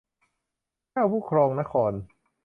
เจ้าผู้ครองนคร